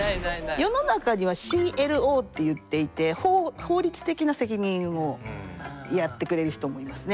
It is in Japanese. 世の中にはＣＬＯっていっていて法律的な責任をやってくれる人もいますね。